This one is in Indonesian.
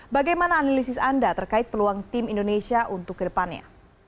bagaimana analisis anda terkait peluang tim indonesia untuk kedepannya